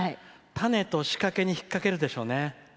タネと仕掛けに引っ掛けるでしょうね。